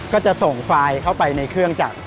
ก็จะส่งไฟล์เข้าไปในเครื่องจักร